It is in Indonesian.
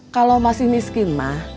kalau masih miskin mah